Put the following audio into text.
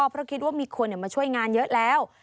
เพราะคิดว่ามีคนมาช่วยงานเยอะแล้ว